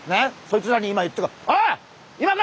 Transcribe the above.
そいつらに今言っておく。